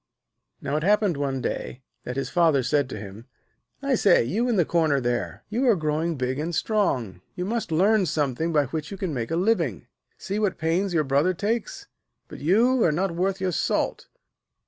Now it happened one day that his Father said to him: 'I say, you in the corner there, you are growing big and strong. You must learn something by which you can make a living. See what pains your brother takes, but you are not worth your salt.'